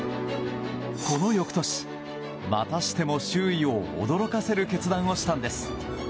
この翌年、またしても周囲を驚かせる決断をしたんです。